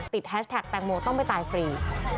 แฮชแท็กแตงโมต้องไม่ตายฟรี